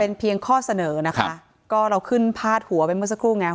เป็นเพียงข้อเสนอนะคะก็เราขึ้นพาดหัวไปเมื่อสักครู่ไง